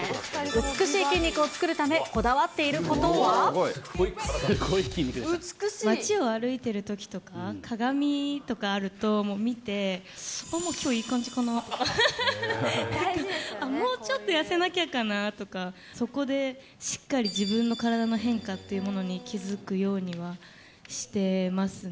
美しい筋肉を作るため、こだわっ街を歩いているときとか、鏡とかあると、もう見て、きょう、いい感じかなとか、もうちょっと痩せなきゃかなとか、そこで、しっかり自分の体の変化っていうものに気付くようにはしてますね。